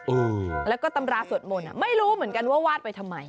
เออแล้วก็ตำราสวดมนต์อ่ะไม่รู้เหมือนกันว่าวาดไปทำไม